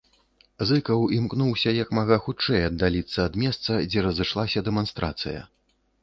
Зыкаў імкнуўся як мага хутчэй аддаліцца ад месца, дзе разышлася дэманстрацыя.